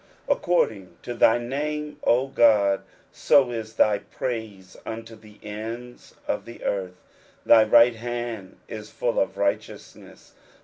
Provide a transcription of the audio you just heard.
10 According to thy name, O God, so is thy praise unto tiie ends of the earth : thy right hand is full of righteousness.